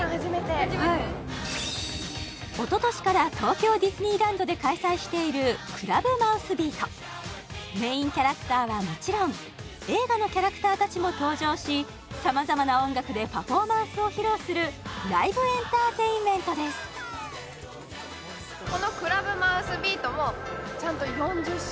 はい初めてですおととしから東京ディズニーランドで開催しているクラブマウスビートメインキャラクターはもちろん映画のキャラクターたちも登場し様々な音楽でパフォーマンスを披露するライブエンターテインメントですとなっておりますのでわあ